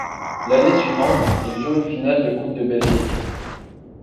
L'année suivante, il joue une finale de Coupe de Belgique.